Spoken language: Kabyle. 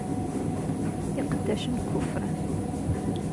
Iqeddacen kuffren.